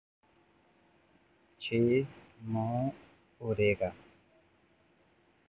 چې مه اوریږه